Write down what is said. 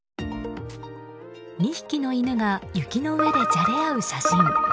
２匹の犬が雪の上でじゃれ合う写真。